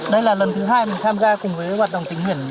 đây là lần thứ hai mình tham gia cùng với hoạt động tính huyện